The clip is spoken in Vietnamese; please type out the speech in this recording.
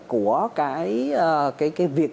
của cái việc